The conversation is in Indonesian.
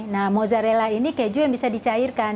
nah mozzarella ini keju yang bisa dicairkan